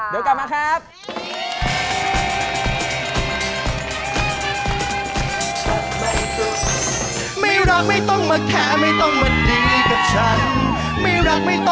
เดี๋ยวกลับมาครับ